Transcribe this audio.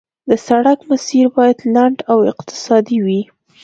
د سړک مسیر باید لنډ او اقتصادي وي